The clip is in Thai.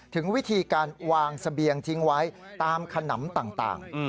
ถึงวิธีการวางเสบียงทิ้งไว้ตามขนำต่าง